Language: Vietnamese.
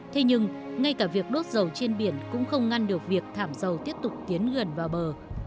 thế nhưng ngay cả việc đốt dầu trên biển cũng không ngăn được việc thảm dầu tiếp tục tiến gần vào bờ